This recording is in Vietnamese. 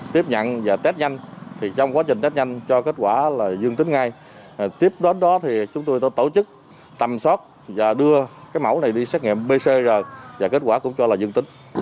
tiếp đến đó thì chúng tôi tổ chức tầm soát và đưa cái mẫu này đi xét nghiệm pcr và kết quả cũng cho là dân tính